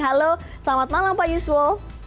halo selamat malam pak yuswo